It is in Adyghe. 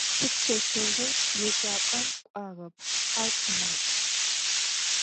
Sipşseşseğu yêcap'em k'uağep: ar sımac.